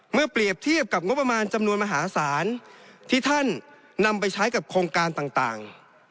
เปรียบเทียบกับงบประมาณจำนวนมหาศาลที่ท่านนำไปใช้กับโครงการต่าง